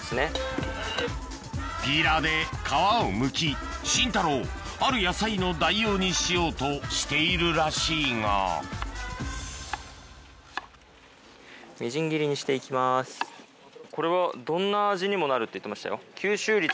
ピーラーで皮をむきシンタローある野菜の代用にしようとしているらしいがこれはどんな味にもなるって言ってましたよ。